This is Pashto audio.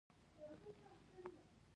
دوی دا جمله په خپلو زړونو کې فکر کوي